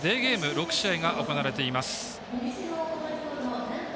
６試合が行われています。